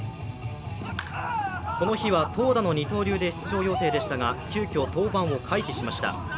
この日は投打の二刀流で出場予定でしたが急きょ、登板を回避しました。